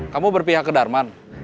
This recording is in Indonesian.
kamu berpihak ke darman